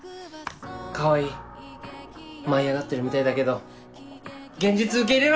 川合舞い上がってるみたいだけど現実受け入れろ！